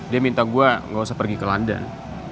dia minta gue gausah pergi ke london